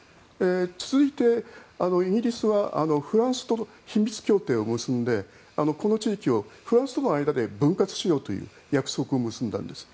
続いて、イギリスはフランスと秘密協定を結んでこの地域をフランスとの間で分割しようという約束を結んだんです。